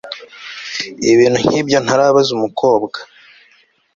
ibintu nkibyo ntarabaza umukobwa